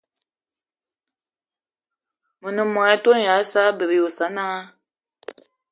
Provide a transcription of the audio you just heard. Me ne mô-etone ya Sa'a bebe y Osananga